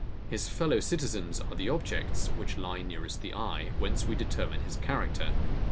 His fellow citizens are the objects, which lie nearest the eye, while we determine his character.